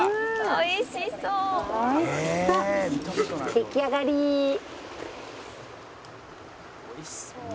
「おいしそう」